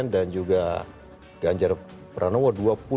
dan juga ganjar pranowo dua puluh dua lima